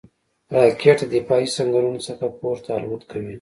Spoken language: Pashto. راکټ د دفاعي سنګرونو څخه پورته الوت کوي